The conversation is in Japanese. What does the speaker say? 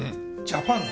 「ジャパン」！